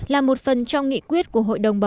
là một phần trong nghị quyết của hội đồng bảo an